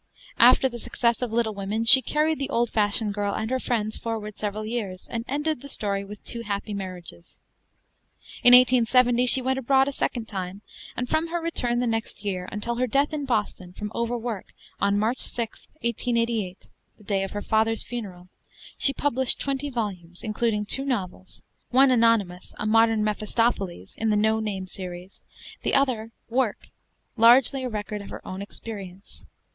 After the success of 'Little Women,' she carried the 'Old Fashioned Girl' and her friends forward several years, and ended the story with two happy marriages. In 1870 she went abroad a second time, and from her return the next year until her death in Boston from overwork on March 6th, 1888, the day of her father's funeral, she published twenty volumes, including two novels: one anonymous, 'A Modern Mephistopheles,' in the 'No Name' series; the other, 'Work,' largely a record of her own experience.